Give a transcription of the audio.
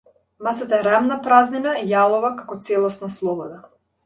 Масата е рамна празнина, јалова како целосна слобода.